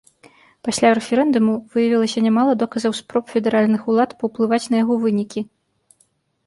Пасля рэферэндуму выявілася нямала доказаў спроб федэральных улад паўплываць на яго вынікі.